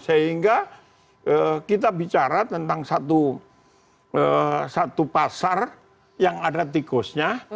sehingga kita bicara tentang satu pasar yang ada tikusnya